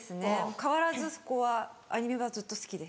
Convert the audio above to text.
変わらずそこはアニメはずっと好きです。